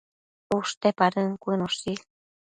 ushte padën cuënoshi